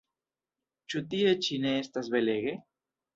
Ĉu tie ĉi ne estas belege?